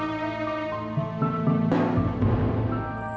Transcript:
aduh aduh aduh